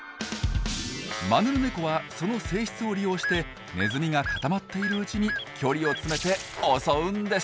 マヌルネコはその性質を利用してネズミが固まっているうちに距離を詰めて襲うんです。